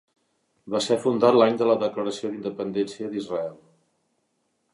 Va ser fundat l'any de la declaració d'independència d'Israel.